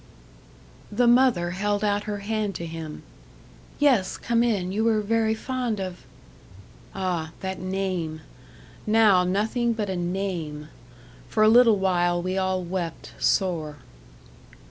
The mother held out her hand to him. "Yes, come in. You were very fond of " Ah! that name! now nothing but a name! For a little while we all wept sore.